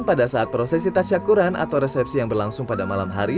pada saat prosesi tasyakuran atau resepsi yang berlangsung pada malam hari